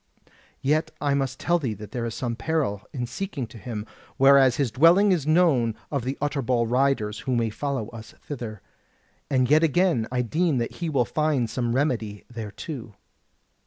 Yet I must tell thee that there is some peril in seeking to him; whereas his dwelling is known of the Utterbol riders, who may follow us thither. And yet again I deem that he will find some remedy thereto."